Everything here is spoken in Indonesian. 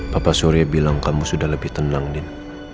bapak surya bilang kamu sudah lebih tenang din